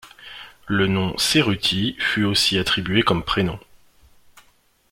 Le nom Cerutti fut aussi attribué comme prénom.